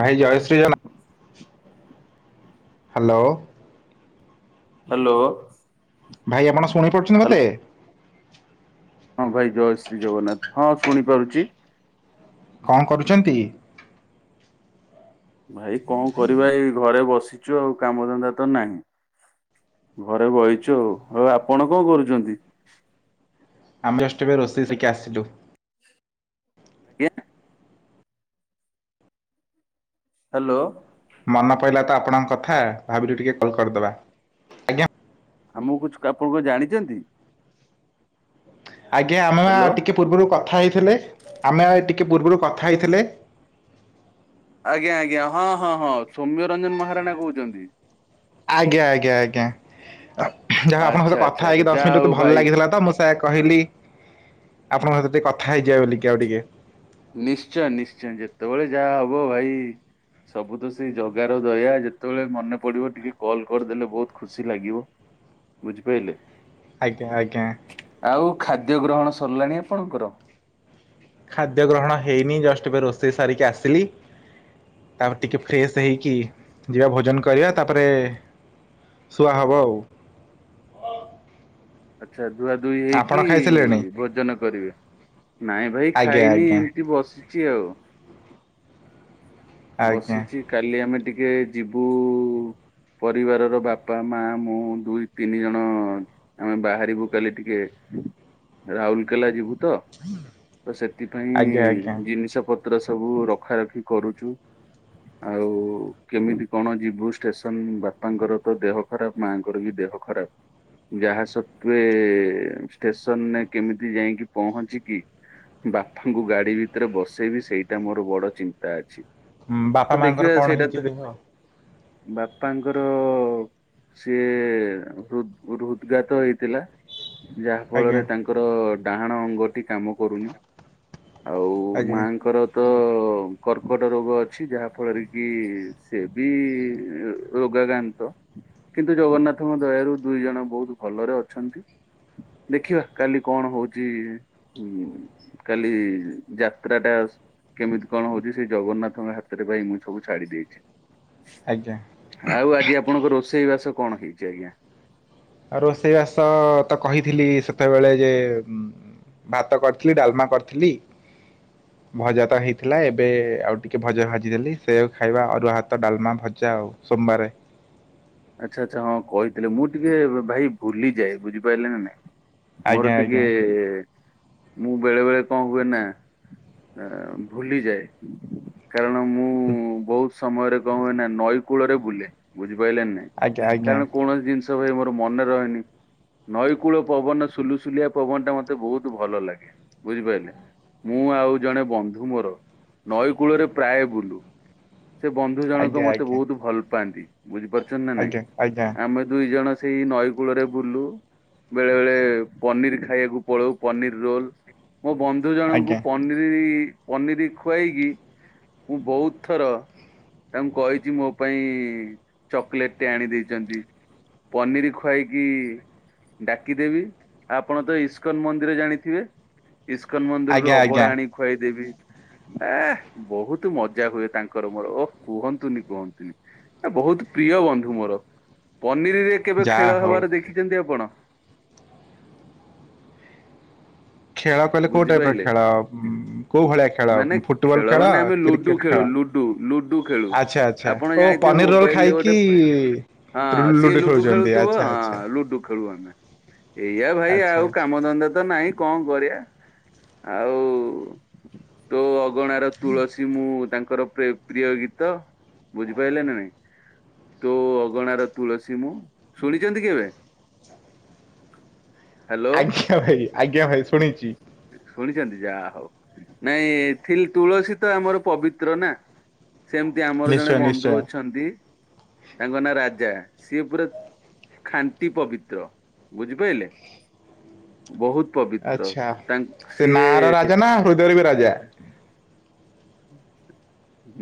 ଭାଇ ଜୟ ଶ୍ରୀ ଜଗନ୍ନା ହ୍ୟାଲୋ। ହ୍ୟାଲୋ। ଭାଇ ଆପଣ ଶୁଣିପାରୁଛନ୍ତି ହ୍ୟାଲୋ ମୋତେ? ହଁ ଭାଇ ଜୟ ଶ୍ରୀ ଜଗନ୍ନାଥ ହଁ ଶୁଣିପାରୁଛି। କଣ କରୁଛନ୍ତି? ଭାଇ କଣ କରିବା ଏଇ ଘରେ ବସିଛୁ ଆଉ କାମ ଧନ୍ଦା ତ ନାହିଁ। ଘରେ ବଇଛୁ ଆଉ, ଆଉ ଆପଣ କଣ କରୁଛନ୍ତି? ଆମେ ଜଷ୍ଟ ଏବେ ରୋଷେଇ ସିକି ଆସିଲୁ। ଆଜ୍ଞା। ହେଲୋ। ମନ ପଇଲା ତ ଆପଣଙ୍କ କଥା ଭାବିଲୁ ଟିକେ କଲ୍ କରିଦବା। ଆମକୁ [unintelligible] ଆପଣ କଣ ଜାଣିଛନ୍ତି? ଆଜ୍ଞା ଆମେ ବା ହ୍ୟାଲୋ। ଟିକେ ପୂର୍ବରୁ କଥା ହେଇଥିଲେ ଆମେ ଏଇ ଟିକେ ପୂର୍ବରୁ କଥା ହେଇଥିଲେ। ଆଜ୍ଞା ଆଜ୍ଞା ହଁ ହଁ ହଁ ସୌମ୍ୟ ରଞ୍ଜନ ମହାରାଣା କହୁଛନ୍ତି? ଆଜ୍ଞା ଆଜ୍ଞା ଆଜ୍ଞା ଯାହା ହଉ ଆପଣଙ୍କ ଆଚ୍ଛା ସହିତ ଆଚ୍ଛା କଥା ଆଚ୍ଛା ହେଇକି ଦଶ ଯାହା ମିନିଟ୍ ମୋତେ ହଉ ଭଲ ଭାଇ ଲାଗିଥିଲା ତ ମୁଁ ସେଆ କହିଲି ଆପଣଙ୍କ ସହିତ ଟିକେ କଥା ହେଇଯିବା ବୋଲିକି ଆଉ ଟିକେ ନିଶ୍ଚୟ ନିଶ୍ଚୟ ଯେତେବେଳେ ଯାହା ହବ ଭାଇ ସବୁ ତ ସେଇ ଜଗାର ଦୟା ଯେତେବେଳେ ମନେ ପଡିବ ଟିକେ କଲ କରିଦେଲେ ବହୁତ ଖୁସି ଲାଗିବ। ବୁଝିପାଇଲେ? ଆଜ୍ଞା ଆଜ୍ଞା। ଆଉ ଖାଦ୍ୟ ଗ୍ରହଣ ସରିଲାଣି ଆପଣଙ୍କର? ଖାଦ୍ୟ ଗ୍ରହଣ ହେଇନି ଜଷ୍ଟ ଏବେ ରୋଷେଇ ସାରିକି ଆସିଲି। ତାପରେ ଟିକେ ଫ୍ରେଶ ହେଇକି ଯିବା ଭୋଜନ କରିବା ତାପରେ ଶୁଆ ହବ ଆଉ। ଆଛା ଧୁଆଧୁଇ ଆପଣ ହେଇକି ଖାଇସାରିଲେଣି ଭୋଜନ କରିବେ? ନାଇଁ ଭାଇ ଆଜ୍ଞା ଖାଇନି ଆଜ୍ଞା ଏମତି ବସିଛି ଆଉ। ଆଜ୍ଞା ବସିଛି କାଲି ଆମେ ଟିକେ ଯିବୁ ପରିବାରର ବାପା, ମା, ମୁଁ ଦୁଇ ତିନି ଜଣ ଆମେ ବାହାରିବୁ କାଲି ଟିକେ ରାଉରକେଲା ଯିବୁ ତ! ତ ସେଥିପାଇଁ ଆଜ୍ଞା ଆଜ୍ଞା ଜିନିଷ ପତ୍ର ସବୁ ରଖା ରଖି କରୁଛୁ ଆଉ କେମିତି କଣ ଯିବୁ ଷ୍ଟେସନ ବାପାଙ୍କର ତ ଦେହ ଖରାପ ମାଆଙ୍କର ବି ଦେହ ଖରାପ ଯାହା ସତ୍ତ୍ୱେ ଷ୍ଟେସନରେ କେମିତି ଯାଇଁକି ପହଞ୍ଚିକି ବାପାଙ୍କୁ ଗାଡି ଭିତରେ ବସେଇବି ସେଇଟା ମୋର ବଡ ଚିନ୍ତା ଅଛି। ଉଁ ତ ବାପା ମାଆଙ୍କର ଦେଖିବା କଣ ସେଇଟା ତ ହେଇଛି ଦେହ? ବାପାଙ୍କର ସିଏ ହୃଦ୍ ହୃଦଘାତ ହେଇଥିଲା। ଯାହା ଆଜ୍ଞା ଫଳରେ ତାଙ୍କର ଡାହାଣ ଅଙ୍ଗଟି କାମ କରୁନି। ଆଉ ଆଜ୍ଞା ମାଆଙ୍କର ତ କର୍କଟ ରୋଗ ଅଛି। ଅଛି ଯାହା ଫଳରେ କି ସେ ବି ରୋଗକାନ୍ତ। କିନ୍ତୁ ଜଗନ୍ନାଥଙ୍କ ଦୟାରୁ ଦୁଇ ଜଣ ବହୁତ ଭଲରେ ଅଛନ୍ତି। ଦେଖିବା କାଲି କଣ ହଉଚି। କାଲି ଯାତ୍ରା ଟା କେମିତି କଣ ହଉଛି ସେ ଜଗନ୍ନାଥଙ୍କ ହାତ ଆରେ ଭାଇ ମୁଁ ସବୁ ଛାଡି ଦେଇେଛି। ଆଜ୍ଞା। ଆଉ ଆଜି ଆପଣଙ୍କ ରୋଷେଇ ବାସ କଣ ହେଇଛି ଆଜ୍ଞା? ଆଉ ରୋଷେଇବାସ ତ କହିଥିଲି ସେତେବେଳେ ଯେ ଭାତ କରିଥିଲି ଡାଲମା କରିଥିଲି। ଭଜା ତ ହେଇଥିଲା ଏବେ ଆଉ ଟିକେ ଭଜା ଭାଜିଦେଲି ସେୟା କୁ ଖାଇବା ଅରୁଆ ଭାତ ଡାଲମା ଭଜା ଆଉ। ସୋମବାର। ଆଚ୍ଛା ଆଚ୍ଛା ହଁ କହିଥିଲେ ମୁଁ ଟିକେ ଭାଇ ଭୁଲିଯାଏ ବୁଝିପାଇଲେ ନା ନାଇଁ। ଆଜ୍ଞା ମୋର ଆଜ୍ଞା ଟିକେ ମୁଁ ବେଳେ ବେଳେ କଣ ହୁଏ ନା ଭୁଲିଯାଏ କାରଣ ମୁ ହୁଁ ସମୟରେ କଣ ହୁଏ ନା ନଈ କୂଳରେ ବୁଲେ ବୁଝି ପାରିଲେ ନା ନାଇଁ ଆଜ୍ଞା ଆଜ୍ଞା କାରଣ କୌଣସି ଦିନିଶ ଭାଇ ମୋର ମନେ ରହେନି। ନଈକୂଳ ପବନ ସୁଲୁସୁଲିଆ ପବନ ଟା ମତେ ବହୁତ ଭଲ ଲାଗେ ବୁଝିପାରିଲେ। ମୁଁ ଆଉ ଜଣେ ବନ୍ଧୁ ମୋର ନଈ କୂଳରେ ପ୍ରାୟ ବୁଲୁ। ସେ ବନ୍ଧୁ ଜଣକ ମତେ ଆଜ୍ଞା ବହୁତ ଭଲ ପାଆନ୍ତି ବୁଝିପାରୁଛ ନା ନାଇଁ ଆଜ୍ଞା ଆଜ୍ଞା ଆଜ୍ଞା ଆମେ ଦୁଇ ଜଣ ସେଇ ନଈ କୂଳରେ ବୁଲୁ। ବେଳେ ବେଳେ ପନିର ଖାଇବାକୁ ପଳଉ ପନିର ରୋଲ ମୋ ବନ୍ଧୁ ଜଣଙ୍କୁ ଆଜ୍ଞା ପନୀ ପନିର ପନିର ଖୁଆଇକି ମୁଁ ବହୁତ ଥର ତାଙ୍କୁ କହିଛି ମୋ ପାଇଁ ଚକୋଲେଟ ଟେ ଆଣି ଦେଇଛନ୍ତି ପନିର ଖୁଆଇକି ଡାକିଦେବି ଆପଣ ତ ଇସ୍କନ ମନ୍ଦିର ଜାଣିଥିବେ। ଇସ୍କନ ମନ୍ଦିରରୁ ଆଜ୍ଞା ଆଜ୍ଞା ଅବଢା ଆଣି ଖୁଆଇଦେବି। ଏ ବହୁତ ମଜା ହୁଏ ତାଙ୍କର ମୋର ଓହ କୁହନ୍ତୁନି କୁହନ୍ତୁନି। ଏ ବହୁତ ପ୍ରିୟ ବନ୍ଧୁ ମୋର ପନିରରେ କେବେ ଯାହା ଖେଳ ହଉ ହେବାର ଦେଖିଛନ୍ତି ଆପଣ? ଖେଳ କହିଲେ କୋଉ ଟାଇପ ର ବୁଝିପାରିଲେ ଖେଳ କୋଉ ଭଳିଆ ଖେଳ ମାନେ ଫୁଟବଲ ଖେଳ ମାନେ ଆମେ ଲୁଡୁ କ୍ରିକେଟ ଖେଳୁ ଖେଳ? ଲୁଡୁ ଲୁଡୁ ଖେଳୁ ଆଚ୍ଛା ଆଚ୍ଛା ଆପଣ ଓ ଜାଣିଥିବେ ପନିର ରୋଲ ମୋବାଇଲ ରେ ଗୋଟେ ଖାଇକି ହଁ ସିଏ ଲୁଡୁ ଖେଳୁଛନ୍ତି ଖେଳୁଥିବ ଆଚ୍ଛା ହଁ ଆଚ୍ଛା ଲୁଡୁ ଖେଳୁ ଆମେ। ଏଇଆ ଭାଇ ଆଚ୍ଛା ଆଉ ଆଚ୍ଛା କାମ ଧନ୍ଦା ତ ନାହିଁ କଣ କରିବା ଆ ଆଉ ତୋ ଅଗଣାର ତୁଳସୀ ମୁଁ ତାଙ୍କର ପ୍ରିୟ ଗୀତ ବୁଝିପାରିଲେ ନା ନାଇଁ। ତୋ ଅଗଣା ର ତୁଳସୀ ମୁଁ ଶୁଣିଛନ୍ତି କେବେ? ହ୍ୟାଲୋ ଆଜ୍ଞା ଭାଇ ଆଜ୍ଞା ଭାଇ ଶୁଣିଛି। ଶୁଣିଛନ୍ତି ଯାହା ହଉ ନାଇଁ ଥିଲ ତୁଳସୀ ତ ଆମର ପବିତ୍ର ନା? ସେମିତି ଆମର ଜଣେ ନିଶ୍ଚୟ ନିଶ୍ଚୟ ବନ୍ଧୁ ଅଛନ୍ତି। ତାଙ୍କ ନାଁ ରାଜା ସିଏ ପୁରା ଖାଣ୍ଟି ପବିତ୍ର ବୁଝିପାରିଲେ! ବହୁତ ପବିତ୍ର ତାଙ୍କ ସିଏ ହୃଦୟରେ ବି ରାଜା।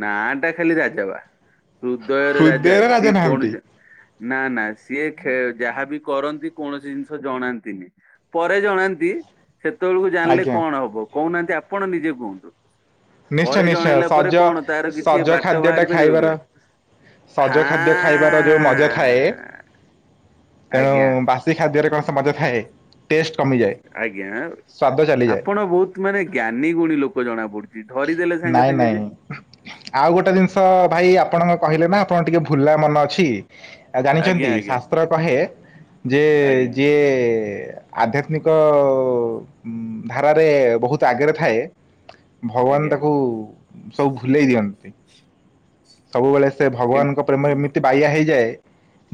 ନା ଟା ଖାଲି ରାଜା ବା ହୃଦୟରେ ରାଜା ହୃଦୟର ସିଏ ନାହାନ୍ତି କଣ ନା ନା ସିଏ ଖେ ଯାହାବି କରନ୍ତି କୌଣସି ଜିନିଷ ଜଣାନ୍ତିନି। ପରେ ଜଣାନ୍ତି ସେତେବେଳକୁ ଜାଣିଲେ ଆଜ୍ଞା କଣ ହବ କହୁନାହାନ୍ତି ଆପଣ ନିଜେ କୁହନ୍ତୁ। ନିଶ୍ଚୟ ପରେ ନିଶ୍ଚୟ ଜଣେଇଲା ପରେ ସଜ କଣ ତାର କିଛି ସଜ ବାଟ ଖାଦ୍ୟ ବାହାରି ଟା ପାରିବ କି ଖାଇବାର ଆଉ? ସଜ ଖାଦ୍ୟ ଖାଇବାର ଯୋଉ ମଜା ଥାଏ। ହାଁ ତେଣୁ ଆଜ୍ଞା ବାସି ଖାଦ୍ୟରେ କଣ ସେ ମଜା ଥାଏ। ଟେଷ୍ଟ କମିଯାଏ ଆଜ୍ଞା। ସ୍ୱାଦ ଚାଲିଯାଏ। ଆପଣ ବହୁତ ମାନେ ଜ୍ଞାନୀ ଗୁଣୀ ଲୋକ ଜଣା ପଡୁଛି ଧରିଦେଲେ ସାଙ୍ଗେ ନାଇଁ ସାଙ୍ଗେ ନାଇଁ ଯେ। ଆଉ ଗୋଟେ ଜିନିଷ ଭାଇ ଆପଣଙ୍କ କହିଲେ ନା ଆପଣଙ୍କ ଟିକେ ଭୁଲା ମନ ଅଛି। ଆଜ୍ଞା ଜାଣିଛନ୍ତି ଆଜ୍ଞା ଶାସ୍ତ୍ର କହେ ଯେ ଆଜ୍ଞା ଯିଏ ଆଧ୍ୟାତ୍ମିକ ଧାରାରେ ବହୁତ ଆଗରେ ଥାଏ ଭଗବାନ ଆଜ୍ଞା ତାକୁ ସବୁ ଭୁଲେଇ ଦିଅନ୍ତି ସବୁବେଳେ ସେ ଏମ୍ ଭଗବାନଙ୍କ ପ୍ରେମରେ ଏମିତି ବାଇଆ ହେଇଯାଏ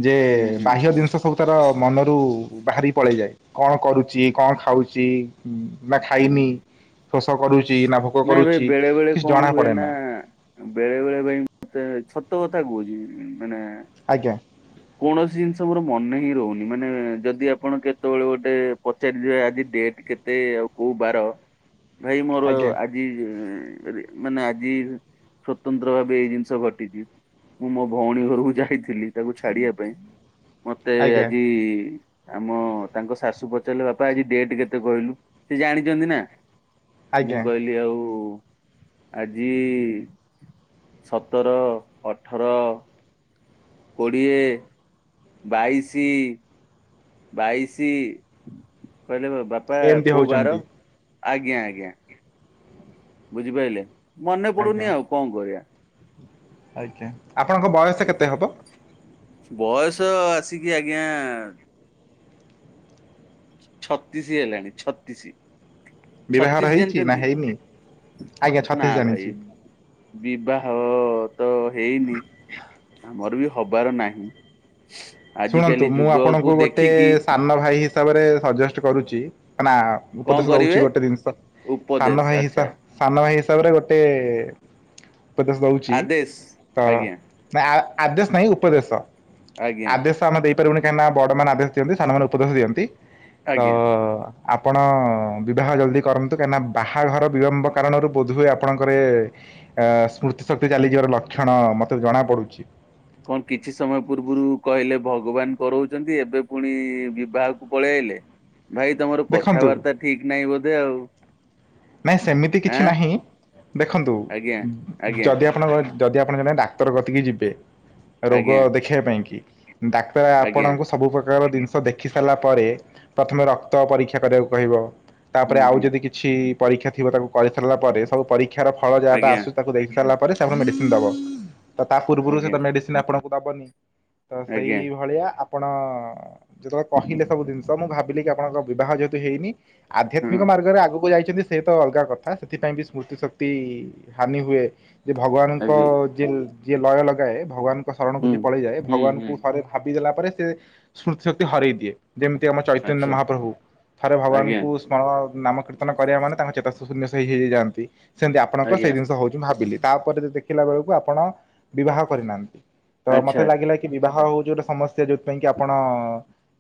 ଯେ ହୁଁ ହୁଁ ବାହ୍ୟ ଜିନିଷ ସ ସବୁ ତାର ମନରୁ ବାହାରି ପଳେଇଯାଏ କଣ କରୁଛି କଣ ଖାଉଛି ବା ଖାଇନି ହୁଁ। ଶୋଷ କରୁଛି ନା ଭୋ ନାଇଁ ଭାଇ ବେଳେ ବେଳେ କଣ ହୁଏ ନା ବେଳେ ବେଳେ ଭାଇ ମତେ ସତ କଥା କହୁଛି ମାନେ ଆଜ୍ଞା। ହୁଁ କୌଣସି ଜିନିଷ ମୋର ମନେ ହିଁ ରହୁନି ମାନେ ଯଦି ଆପଣ କେତେବେଳେ ଗୋଟେ ପଚାରିଥିବେ ଆଜି ଡେଟ୍ କେ ତେ ଆଉ କୋଉ ବାର ଭାଇ ମୋର ଆ ଆଜ୍ଞା ଆଜି ମାନେ ଆଜି ସ୍ୱତନ୍ତ୍ର ଭାବେ ଏଇ ଜିନିଷ ଘଟିଛି। ମୁଁ ମୋ ଭଉଣୀ ଘରକୁ ଯାଇଥିଲି ତାକୁ ଛାଡିବା ପାଇଁ। ମତେ ଆଜ୍ଞା ଆଜି ଆମ ତାଙ୍କ ଶାଶୁ ପଚାରିଲେ ବାପା ଆଜି ଡେଟ କେତେ କହିଲୁ। ସେ ଜାଣିଛନ୍ତି ନା ମୁଁ ଆଜ୍ଞା କହିଲି ଆଉ ଆଜି ସତର ଅଠର କୋଡ଼ିଏ ବାଇଶି ବାଇଶି କହିଲେ ବାପା ଏମିତି କୋଉ ବାର ହଉଛନ୍ତି ଆଜ୍ଞା ଆଜ୍ଞା। ବୁଝିପାରିଲେ ମନେ ଆଜ୍ଞା ପଡୁନି ଆଉ କଣ କରିବା। ଆଜ୍ଞା ଆପଣଙ୍କ ବୟସ କେତେ ହବ। ବୟସ ଆସିକି ଆଜ୍ଞା ଛତିଶ ହେଲାଣି ଛତିଶ୍। ବିବାହର ଛତିଶ୍ ହେଇଛି ନା ଜାଣିଛନ୍ତି ହେଇନି ଆଜ୍ଞା ନା ଛତିଶ ଭାଇ। ଜାଣିଛି ବିବାହ ତ ହେଇନି ଆମର ବି ହ ହବାର ନାହିଁ। ଶୁଣନ୍ତୁ ଆଜିକାଲି ମୁଁ ଯୁଗକୁ ଆପଣଙ୍କୁ ଗୋଟେ ଦେଖିକି ସାନ ଭାଇ ହିସାବରେ ସଜେଷ୍ଟ କରୁଛି କା ନା କଣ ଉପଦେଶ ଦଉଛି କରିବେ ଗୋଟେ ଜିନିଷ ସାନ ଉପଦେଶ ଭାଇ ହିସ ଆଚ୍ଛା ସାନ ଭାଇ ହିସାବରେ ଗୋଟେ ଉପଦେଶ ଦଉଛି ଆଦେଶ ତ ଆଜ୍ଞା ନା ଆଦେଶ ନାହିଁ ଉପଦେଶ। ଆଜ୍ଞା ଆଦେଶ ତ ଆମେ ଦେଇପାରିବୁନି କାହିଁକି ନା ବଡ ମାନେ ଆଦେଶ ଦିଅନ୍ତି ସାନମାନେ ଉପଦେଶ ଦିଅନ୍ତି ତ ଆଜ୍ଞା ଆପଣ ବିବାହ ଜଲ୍ଦି କରନ୍ତୁ କାହିଁକିନା ବାହାଘର ବିଳମ୍ବ କାରଣରୁ ବୋଧହୁଏ ଆପଣଙ୍କର ଇଏ ଅ ସ୍ମୃତି ଶକ୍ତି ଚାଲିଯିବାର ଲକ୍ଷଣ ମତେ ଜଣା ପଡୁଛି। କଣ କିଛି ସମୟ ପୂର୍ବରୁ କହିଲେ ଭଗବାନ କରଉଛନ୍ତି ଏବେ ପୁଣି ବିବାହକୁ ପଳେଇଆଈଲେ। ଭାଇ ତମର ଦେଖନ୍ତୁ କଥାବାର୍ତ୍ତା ଠିକ ନାହିଁ ବୋଧେ ଆଉ। ନାହିଁ ସେମିତି କିଛି ଆଁ ନାହିଁ ଦେଖନ୍ତୁ ଆଜ୍ଞା। ଆଜ୍ଞା ଯଦି ଆପଣଙ୍କ ଯଦି ଆପଣ ଜଣେ ଡାକ୍ତର କତିକି ଯିବେ ରୋଗ ଆଜ୍ଞା ଦେଖେଇବା ପାଇଁ କି ଡାକ୍ତର ଆଜ୍ଞା ଆପଣଙ୍କୁ ସବୁ ପ୍ରକାର ଜିନିଷ ଦେଖି ସାରିଲା ପରେ ପ୍ରଥମେ ରକ୍ତ ପରୀକ୍ଷା କରିବାକୁ କହିବ। ତାପରେ ହୁଁ ଆଉ ହୁଁ ଯଦି କିଛି ପରୀକ୍ଷା ଥିବ ତାକୁ କରିସାରିଲା ପରେ ସବୁ ପରୀକ୍ଷା ରିକ୍ଷା ଫଳ ଯାହାଟା ଆଜ୍ଞା ଆସୁ ତାକୁ ଦେଖିସାରିଲା ପରେ ସେ ଆପ ଙ୍କୁ ମେଡିସିନ୍ ଦବ ତ ତା ପୂର୍ବରୁ ସେ ଆଜ୍ଞା ତ ମେଡିସିନ ନି ଆପଣଙ୍କୁ ଦବନି ତ ସେଇ ଆଜ୍ଞା ଭଳିଆ ଆପଣ ଯେତେବେଳେ କହିଲେ ସବୁ ଜିନିଷ ମୁଁ ଭାବିଲି କି ଆପଣଙ୍କ ବିବାହ ଯେହେତୁ ହେଇନି ହଁ ଆଧ୍ୟାତ୍ମିକ ମାର୍ଗରେ ଆଗକୁ ଯାଇଛନ୍ତି ସେ ତ ଅଲଗା କଥା ସେଥିପାଇଁ ବି ସ୍ମୃତି ଶକ୍ତି ହାନି ହୁଏ, ଯେ ଭଗବାନଙ୍କ ଆଜ୍ଞା ଯିଏ ଯିଏ ଲୟ ଲଗାଏ, ଭଗବାନଙ୍କ ଶରଣକୁ ହୁଁ ଯିଏ ପଳେଇଯାଏ, ହୁଁ ହୁଁ ଭଗବାନଙ୍କୁ ଥରେ ଭାବିଦେଲା ପରେ ସେ ସ୍ମୃତି ଶକ୍ତି ହରେଇ ଦିଏ। ଯେମିତି ଆମ ଚୈତନ୍ୟ ଆଚ୍ଛା ମହାପ୍ରଭୁ ଥରେ ଆଜ୍ଞା ଭଗବାନଙ୍କୁ ସ୍ମରଣ ନାମକୀର୍ତ୍ତନ କରିବା ମାନେ ତାଙ୍କ ଚେତା ଶୂନ୍ୟ ହେଇ ହେଇଯାଇଥାନ୍ତି, ସେମିତି ଆପଣଙ୍କ ସେଇ ଆଜ୍ଞା ଜିନିଷ ହଉଛି, ମୁଁ ଭାବିଲି ତାପରେ ଯଦ ଦେଖିଲା ବେଳକୁ ଆପଣ ବିବାହ କରିନାହାନ୍ତି ତ ମତେ ଆଚ୍ଛା ଲାଗିଲା ବିବାହ ହଉଛି ଗୋଟେ ସମସ୍ୟା ଯୋଉଥିପାଇଁ କି ଆପଣ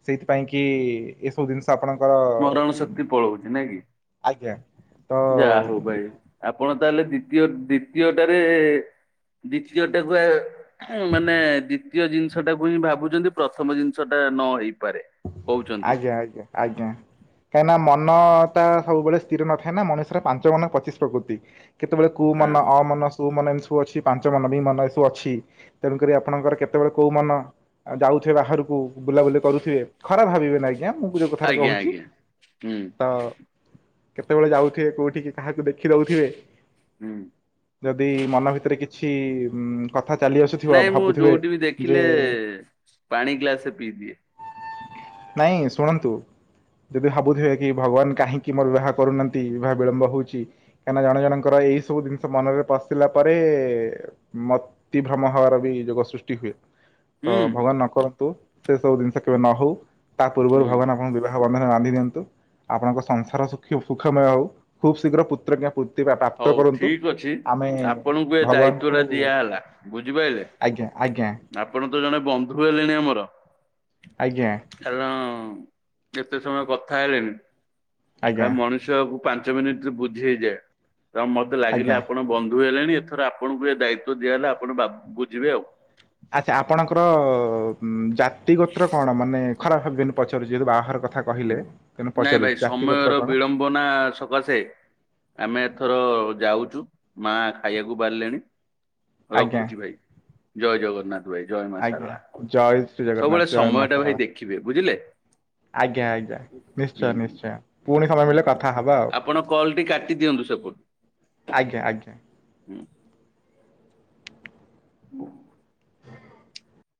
ସେଇଥିପାଇଁ କି ଏସବୁ ଜିନିଷ ଆପଣଙ୍କର ସ୍ମରଣ ଶକ୍ତି ଆଜ୍ଞା। ତ ଯା ହଉ ଭାଇ ଆପଣ ତାହେଲେ ଦ୍ୱିତୀୟ ଦ୍ଵିତୀୟଟାରେ ଦ୍ଵିତୀୟଟା କୁୁ ଆ ମାନେ ଦ୍ଵିତୀୟ ଜିନିଷ ଟାକୁ ହିଁ ଭାବୁଛନ୍ତି, ପ୍ରଥମ ଜିନିଷ ଟା ନ ହେଇପାରେ। କହୁଛନ୍ତି ଆଜ୍ଞା, ଆଜ୍ଞା, ଆଜ୍ଞା। କାହିଁକି ନା ମନ ଟା ସବୁବେଳେ ସ୍ଥିର ନଥାଏ ନା, ମଣିଷର ପାଞ୍ଚ ମନ ପଚିଶ ପ୍ରକୃତି। କେତେବେଳେ କୁ ହଁ ମନ ଅମନ ଶୁ ମନ ଏମିତି ସବୁ ଅଛି, ପାଞ୍ଚ ମନ ବି ମନ ଏସବୁ ଅଛି, ତେଣୁକରି ଆପଣଙ୍କର କେତେବେଳେ କୋଉ ମନ ଯାଉଥିବେ ବାହାରକୁ ବୁଲାବୁଲି କରୁଥିବେ, ଖରାପ ଭାବିବେନି ଆଜ୍ଞା ମୁଁ ଯୋଉ କଥାରେ ଆଜ୍ଞା କହୁଛି ଆଜ୍ଞା ହୁଁ ତ କେତେବେଳେ ଯାଉଥିବେ କୋଉଠିକି କାହାକୁ ଦେଖି ଦଉଥିବେ। ହୁଁ। ଯଦି ମନ ଭିତରେ କିଛି କଥା ଚାଲି ଆସୁଥିବ, ଭାବୁଥିବେ ଯେ ଏ ପାଣି ଗ୍ଲାସ ପିଇଦିଏ। ନାଇଁ ଶୁଣନ୍ତୁ ଯଦି ଭାବୁଥିବେ କି ଭଗବାନ କାହିଁକି ମୋର ବିବାହ କରୁନାହାନ୍ତି, ବିବାହ ବିଳମ୍ବ ହଉଛି। କାହିଁକିନା ଜଣେ ଜଣଙ୍କର ଏଇ ସବୁ ଜିନିଷ ମନରେ ପଶିଲା ପରେ ମତିଭ୍ରମ ହବାର ବି ଯୋଗ ସୃଷ୍ଟି ହୁଏ। ତ ହୁଁ। ଭଗବାନ ନ କରନ୍ତୁ ସେ ସବୁ ଜିନିଷ କେବେ ନ ହଉ ତା ହୁଁ ପୂର୍ବରୁ ଭଗବାନ ଆପଣଙ୍କୁ ବିବା ହ ବନ୍ଧନ ବାନ୍ଧି ନିିଅନ୍ତୁ, ଆପଣଙ୍କ ସଂସାର ସୁଖମୟ ହଉ ଖୁବ ଶୀଘ୍ର ପୁତ୍ରଜ୍ଞ ପୁତ୍ରୀ ପ୍ରାପ୍ତ ହଉ କରନ୍ତୁ, ଠିକ ଅଛି। ଆମେ ଆପଣଙ୍କୁ ଏ ଦାୟିତ୍ଵ ଭଗବାନଙ୍କୁ ଟା ଦିଆହେଲା ବୁଝିପାରିଲେ ଆଜ୍ଞା, ଆଜ୍ଞା। ଆପଣ ତ ଜଣେ ବନ୍ଧୁ ହେଲେଣି ଆମର। ଆଜ୍ଞା। କାରଣ ଏତେ ସମୟ କଥା ହେଲେଣିି, ଆଜ୍ଞା ଖା ମଣିଷ ବିଷୟକୁୁ ପାଞ୍ଚ ମିନିଟ ରେ ବୁଝି ହେଇଯାଏ। ତ ମତେ ଲାଗିଲେ ଆଜ୍ଞା। ଆପଣ ବନ୍ଧୁ ହେଲେଣି ଏଥର ଆପଣଙ୍କୁ ଏ ଦାୟିତ୍ୱ ଦିଆହେଲା ଆପଣ ବା ବୁଝିବେ ଆଉ। ଆଚ୍ଛା ଆପଣଙ୍କର ଜାତି ଗୋତ୍ର କଣ ମାନେ ଖରାପ ଭାବିବେନି ପଚାରୁଛି ଯହଦୁ ବାହାର କଥା ହୁଁ। କହିଲେ ତେଣୁ ପଚାରୁଛି ଜାତି ଗୋତ୍ର କଣ? ବନା ସକାଶେ। ଆମେ ଏଥର ଯାଉଛୁ, ମା ଖାଇବାକୁ ବାଢିଲେଣି ଆଜ୍ଞା ରଖୁଛି ଭାଇ, ଜୟ ଜଗନ୍ନାଥ ଭାଇ, ଜୟ ମା ଆଜ୍ଞା ସାରଳା। ଜୟ ଶ୍ରୀ ଜଗନ୍ନାଥ ସବୁବେଳେ ଜୟ ମା ସମୟ ଟା ଭାଇ ଶାରଳା। ଦେଖିବେ ବୁଝିଲେ। ଆଜ୍ଞା ଆଜ୍ଞା ନିଶ୍ଚୟ ହୁଁ ନିଶ୍ଚୟ, ପୁଣି ସମୟ ମିଳିଲେ କ ଆପଣ କଲ୍ ଟି କାଟି ଦିଅନ୍ତୁ ସେପଟୁ। ଆଜ୍ଞା ଆଜ୍ଞା। [inaudible]